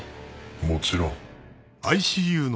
もちろん。